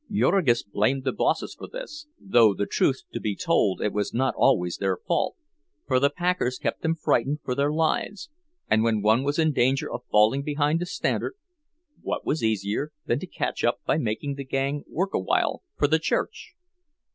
Jurgis blamed the bosses for this, though the truth to be told it was not always their fault; for the packers kept them frightened for their lives—and when one was in danger of falling behind the standard, what was easier than to catch up by making the gang work awhile "for the church"?